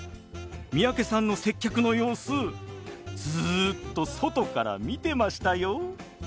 三宅さんの接客の様子ずっと外から見てましたよ。